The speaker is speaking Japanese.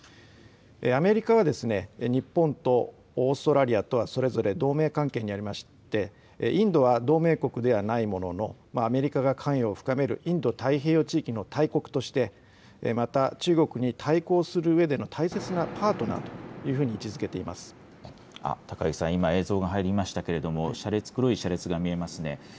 アメリカは日本とオーストラリアとはそれぞれ同盟関係にありまして、インドは同盟国ではないものの、アメリカが関与を深めるインド太平洋地域の大国として、また中国の対抗するうえでの大切なパートナーというふうに位置づけていま高木さん、今、映像が入りましたけれども、車列、黒い車列が見えますね。